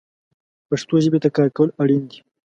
پښتو ژبې ته کار کول اړین دي